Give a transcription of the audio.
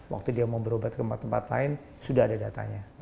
waktu dia mau berobat ke tempat tempat lain sudah ada datanya